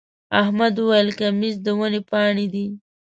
احمد وويل: کمیس د ونې پاڼې دی.